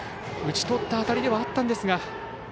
打ち取った当たりではあったんですが。